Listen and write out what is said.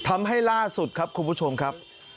ทำให้ล่าสุดครับคุณผู้ชมครับ